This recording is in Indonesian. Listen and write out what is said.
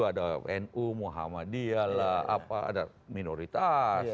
ada nu muhammadiyah lah apa ada minoritas